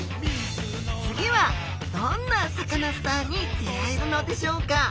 次はどんなサカナスターに出会えるのでしょうか？